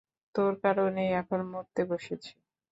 তোর কারণেই এখন মরতে বসেছি।